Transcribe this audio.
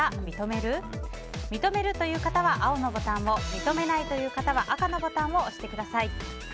認めるという方は青のボタンを認めないという方は赤のボタンを押してください。